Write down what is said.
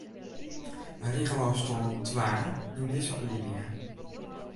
Rigelôfstân twa yn dizze alinea.